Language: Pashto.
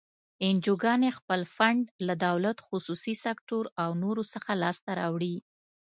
انجوګانې خپل فنډ له دولت، خصوصي سکتور او نورو څخه لاس ته راوړي.